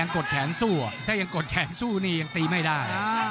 กดแขนสู้ถ้ายังนี้ก็ยังตีไม่ได้